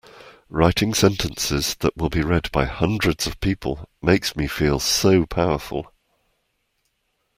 Writing sentences that will be read by hundreds of people makes me feel so powerful!